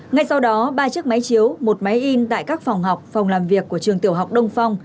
ngay sau đó ba chiếc máy chiếu một máy in tại các phòng học phòng làm việc của trường tiểu học đông phong